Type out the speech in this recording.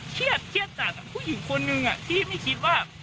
เครียดเครียดจัดผู้หญิงคนนึงที่ไม่คิดว่า